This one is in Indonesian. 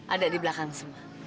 ada di belakang semua